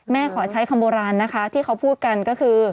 ขอใช้คำโบราณนะคะที่เขาพูดกันก็คือ